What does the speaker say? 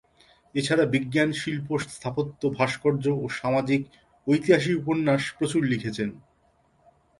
এছাড়া বিজ্ঞান, শিল্প স্থাপত্য ভাস্কর্য ও সামাজিক, ঐতিহাসিক উপন্যাস প্রচুর লিখেছেন।